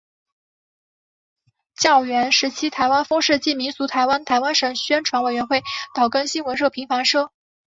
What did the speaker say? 教员时期台湾风土记民俗台湾台湾省宣传委员会岛根新闻社平凡社